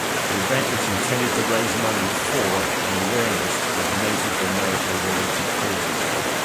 The event was intended to raise money for and awareness of Native-American-related causes.